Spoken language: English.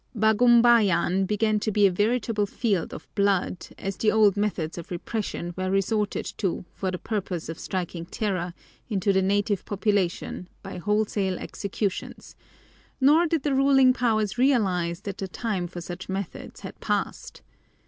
Bagumbayan began to be a veritable field of blood, as the old methods of repression were resorted to for the purpose of striking terror into the native population by wholesale executions, nor did the ruling powers realize that the time for such methods had passed.